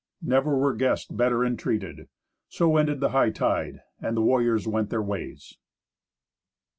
Never were guests better entreated. So ended the hightide, and the warriors went their ways.